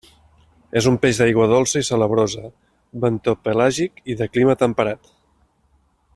És un peix d'aigua dolça i salabrosa, bentopelàgic i de clima temperat.